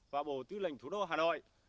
và bộ tư lệnh thủ đô hà nội